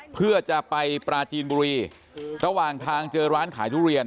เพื่อจะไปปราจีนบุรีระหว่างทางเจอร้านขายทุเรียน